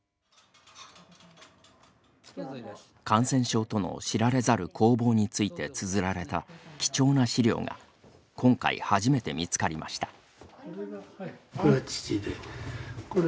感染症との知られざる攻防についてつづられた貴重な資料が今回初めて見つかりました。